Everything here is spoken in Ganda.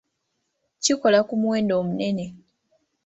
Kikola ku muwendo omunene.